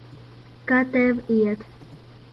Kā tev iet?